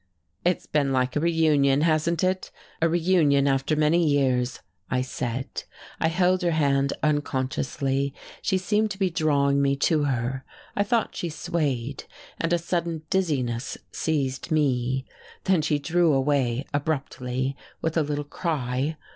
"It's been like a reunion, hasn't it? a reunion after many years," I said. I held her hand unconsciously she seemed to be drawing me to her, I thought she swayed, and a sudden dizziness seized me. Then she drew away abruptly, with a little cry.